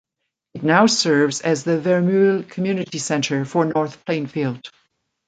It now serves as the Vermeule Community Center for North Plainfield.